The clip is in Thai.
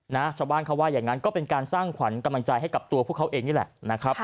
นะชาวบ้านเขาว่าอย่างนั้นก็เป็นการสร้างขวัญกำลังใจให้กับตัวพวกเขาเองนี่แหละนะครับ